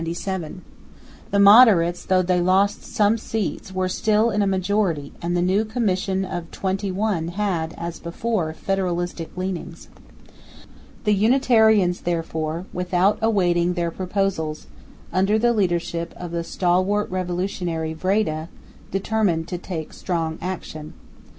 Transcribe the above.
The moderates, though they lost some seats, were still in a majority; and the new Commission of Twenty One had, as before, federalistic leanings. The Unitarians, therefore, without awaiting their proposals, under the leadership of the stalwart revolutionary, Vreede, determined to take strong action.